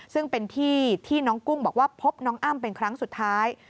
ซึ่งเป็นที่ที่น้องกุ้งบอกว่าพบน้องอ้ำเป็นครั้งสุดท้าย